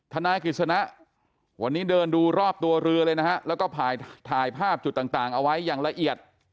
นายกฤษณะวันนี้เดินดูรอบตัวเรือเลยนะฮะแล้วก็ถ่ายภาพจุดต่างเอาไว้อย่างละเอียด